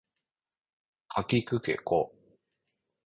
かきくけこ